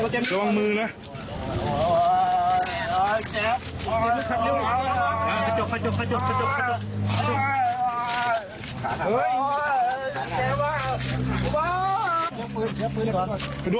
เจ๊ว่ะ